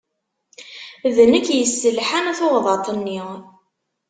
D nekk yesselḥan tuɣḍaṭ-nni.